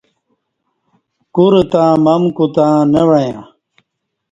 کور تں مم کوتں نہ وعیاں